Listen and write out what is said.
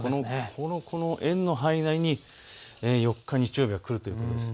この円の範囲内に４日、日曜日は来るということです。